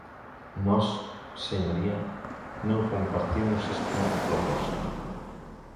Nós, señoría, non compartimos esta proposta.